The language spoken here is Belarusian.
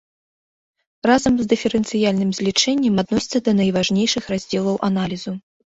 Разам з дыферэнцыяльным злічэннем адносіцца да найважнейшых раздзелаў аналізу.